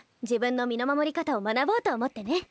自分の身の守り方を学ぼうと思ってね。